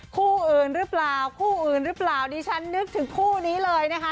คู่อื่นหรือเปล่านี่ฉันนึกถึงคู่นี้เลยนะคะ